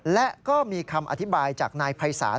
และก็มีคำอธิบายจากนายภัยศาล